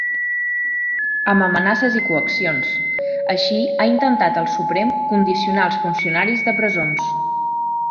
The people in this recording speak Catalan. Amb amenaces i coaccions, així ha intentat el Suprem condicionar els funcionaris de presons.